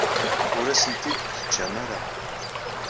Ur asent-t-id-teǧǧam ara.